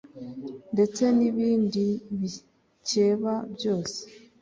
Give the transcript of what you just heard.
Ndetse ni bindi bikeba byose